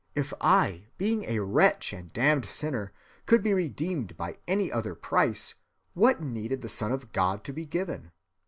If I, being a wretch and damned sinner, could be redeemed by any other price, what needed the Son of God to be given?